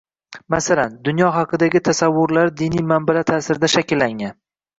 Masalan, dunyo haqidagi tasavvurlari diniy manbalar ta’sirida shakllangan